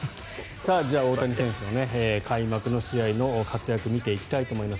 じゃあ、大谷選手の開幕の試合の活躍を見ていきたいと思います。